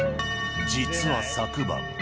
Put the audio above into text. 実は昨晩。